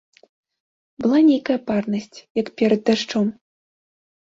Была нейкая парнасць, як перад дажджом.